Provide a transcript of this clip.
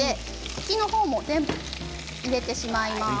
茎の方も全部入れてしまいます。